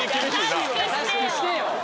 優しくしてよ！